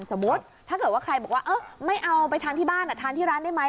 สมมุติถ้าเกิดว่าใครบอกว่าเออไม่เอาไปทานที่บ้านทานที่ร้านได้ไหม